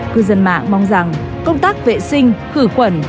cư dân mạng mong rằng công tác vệ sinh khử khuẩn